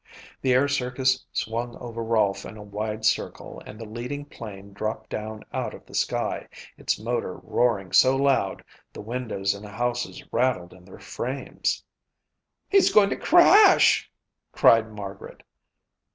The air circus swung over Rolfe in a wide circle and the leading plane dropped down out of the sky, its motor roaring so loud the windows in the houses rattled in their frames. "He's going to crash!" cried Margaret.